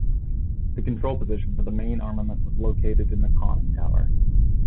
The control position for the main armament was located in the conning tower.